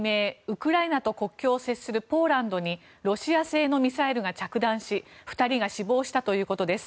ウクライナと国境を接するポーランドにロシア製のミサイルが着弾し２人が死亡したということです。